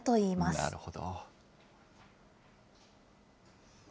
なるほど。